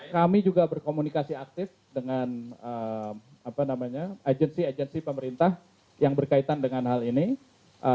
kami juga berkomunikasi aktif dengan agensi agensi pemerintah yang berkaitan dengan hal ini